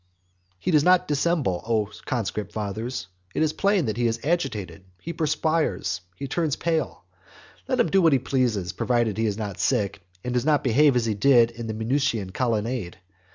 XXXIV. He does not dissemble, O conscript fathers; it is plain that he is agitated; he perspires; he turns pale. Let him do what he pleases, provided he is not sick, and does not behave as he did in the Minucian colonnade.